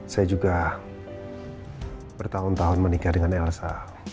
saya juga bertahun tahun menikah dengan elsa